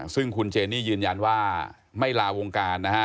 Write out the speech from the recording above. ซึ่งคุณเจนี่ยืนยันว่าไม่ลาวงการนะฮะ